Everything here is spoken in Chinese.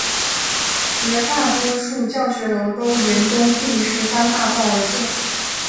绝大多数教学楼都沿东第十三大道而建。